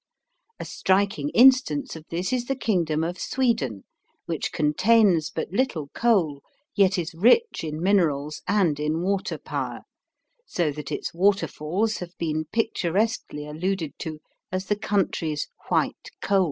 A striking instance of this is the kingdom of Sweden, which contains but little coal, yet is rich in minerals and in water power, so that its waterfalls have been picturesquely alluded to as the country's "white coal."